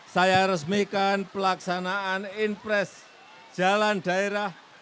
saya resmikan pelaksanaan impres jalan daerah